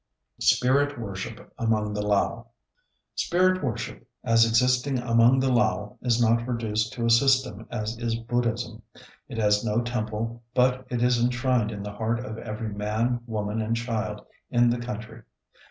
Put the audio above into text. SPIRIT WORSHIP AMONG THE LAO Spirit worship, as existing among the Lao, is not reduced to a system as is Buddhism. It has no temple, but it is enshrined in the heart of every man, woman, and child in the country....